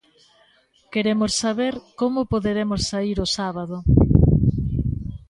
Queremos saber como poderemos saír o sábado.